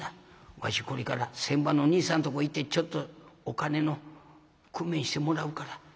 わしこれから船場の兄さんとこ行ってちょっとお金の工面してもらうから。